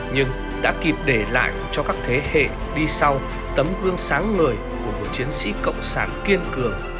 nhưng đã kịp để lại cho các thế hệ đi sau tấm gương sáng ngời của một chiến sĩ cộng sản kiên cường